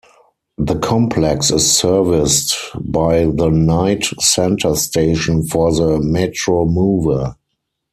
The complex is serviced by the Knight Center station for the Metromover.